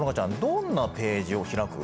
どんなページを開く？